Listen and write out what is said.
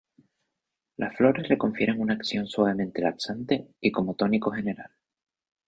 Las flores le confieren una acción suavemente laxante y como tónico general.